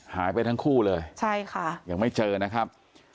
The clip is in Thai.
หายไปทั้งคู่เลยใช่ค่ะยังไม่เจอนะครับ